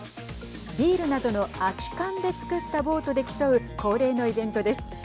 ビールなどの空き缶で作ったボートで競う恒例のイベントです。